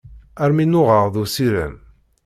Armi nnuɣeɣ d usirem.